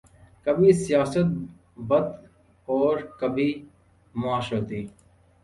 کبھی سیاسی بت اور کبھی معاشرتی